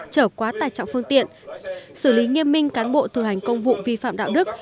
trở quá tài trọng phương tiện xử lý nghiêm minh cán bộ thực hành công vụ vi phạm đạo đức